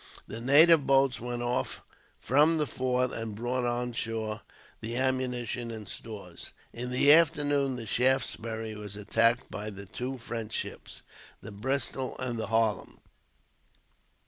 The native boats went off from the fort, and brought on shore the ammunition and stores. In the afternoon the Shaftesbury was attacked by the two French ships, the Bristol and the Harlem.